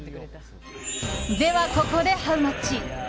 では、ここでハウマッチ。